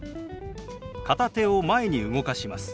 片手を前に動かします。